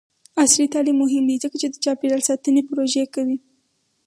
عصري تعلیم مهم دی ځکه چې د چاپیریال ساتنې پروژې کوي.